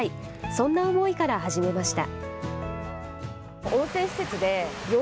そんな思いから始めました。